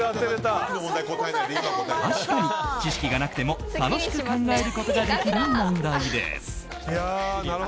確かに知識がなくても楽しく考えることができる問題です。